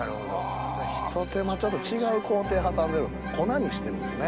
じゃあひと手間ちょっと違う工程挟んでるんですね。